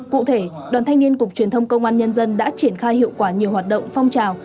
cụ thể đoàn thanh niên cục truyền thông công an nhân dân đã triển khai hiệu quả nhiều hoạt động phong trào